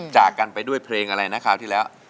จากกันไปด้วยเพลงอะไรนะคราวที่แล้ว